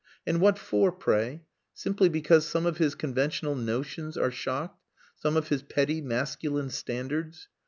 "And what for, pray? Simply because some of his conventional notions are shocked, some of his petty masculine standards.